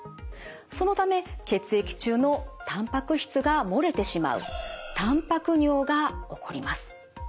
そのため血液中のたんぱく質が漏れてしまうたんぱく尿が起こります。